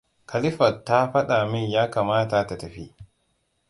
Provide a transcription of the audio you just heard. Khalifat ta faɗa min ya kamata ta tafi.